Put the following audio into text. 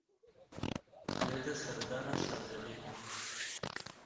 Heyetê seredana şaredariyê kir.